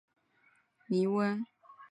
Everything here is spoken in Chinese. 库尔塔尼翁。